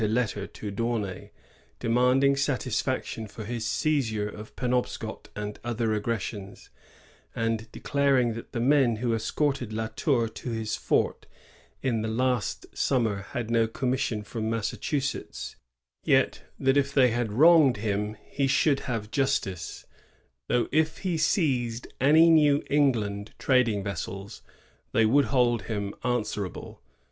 88 a letter to D'Aunay, demanding satisfaction for his seizure of Penofascot and other aggressions, and declaring that the men who escorted La Tour to his fort in the last summer had no commission from Massachusetts, yet that if they had wronged him he should have justice, though if he seized any New England trading yessels they would hold him an swerable.